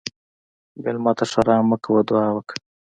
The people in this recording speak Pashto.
مېلمه ته ښیرا مه کوه، دعا وکړه.